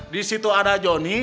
di situ ada jonny